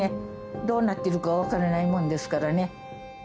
どうなってるかわからないもんですからね。